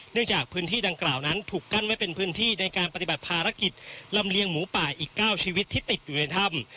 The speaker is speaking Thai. จากพื้นที่ดังกล่าวนั้นถูกกั้นไว้เป็นพื้นที่ในการปฏิบัติภารกิจลำเลียงหมูป่าอีก๙ชีวิตที่ติดอยู่ในถ้ำ